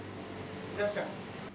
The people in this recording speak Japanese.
いらっしゃい。